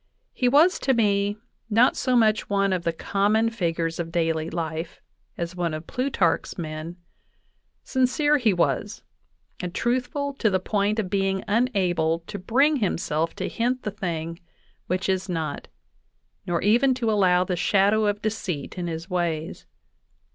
He was to me not so much one of .the common figures of daily life, as one of Plutarch's men. ... Sin cere he was, and truthful to the point of being unable to bring himself to hint the thing which is not, nor even to allow the shadow of deceit in his ways.